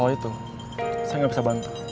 soal itu saya tidak bisa bantu